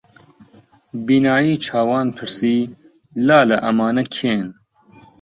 بینایی چاوان پرسی: لالە ئەمانە کێن؟